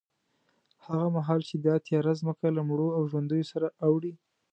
هغه مهال چې دا تیاره ځمکه له مړو او ژوندیو سره اوړي،